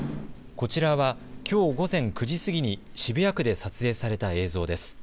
こちらは、きょう午前９時過ぎに渋谷区で撮影された映像です。